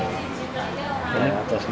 untuk hari ini belum pak